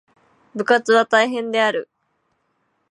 就活は大変である。